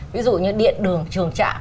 ví dụ như điện đường trường trạng